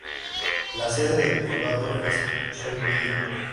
La sede de condado es Shelbyville.